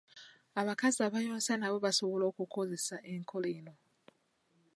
Abakazi abayonsa nabo basobola okukozesa enkola eno.